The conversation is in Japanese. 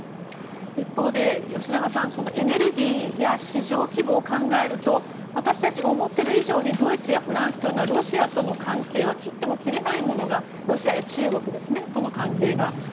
一方で吉永さんエネルギーや市場規模を考えると私たちが思ってる以上にドイツやフランスというのは切っても切れないものがロシアや中国との関係が。